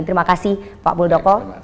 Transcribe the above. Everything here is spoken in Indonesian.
terima kasih pak muldoko